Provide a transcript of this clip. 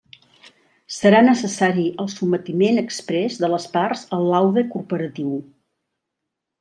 Serà necessari el sotmetiment exprés de les parts al laude corporatiu.